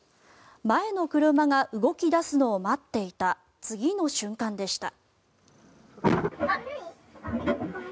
前の車が動き出すのを待っていた次の瞬間でした。